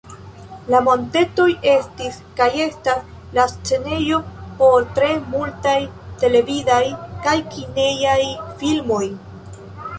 La montetoj estis kaj estas la scenejo por tre multaj televidaj kaj kinejaj filmoj.